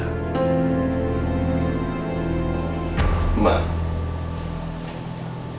aku bisa kasih tau soal rahasia kelahiran clara ke andis dan citra